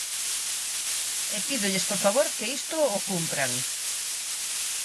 E pídolles por favor que isto o cumpran.